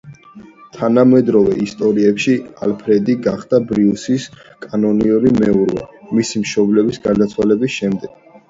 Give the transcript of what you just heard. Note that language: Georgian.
თანამედროვე ისტორიებში ალფრედი გახდა ბრიუსის კანონიერი მეურვე, მისი მშობლების გარდაცვალების შემდეგ.